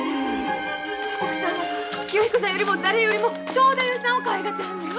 奥さんは清彦さんよりも誰よりも正太夫さんをかわいがってはんのよ。